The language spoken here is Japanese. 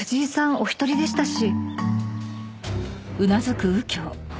お独りでしたし。